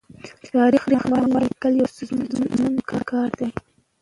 تاریخي ناول لیکل یو ستونزمن کار دی.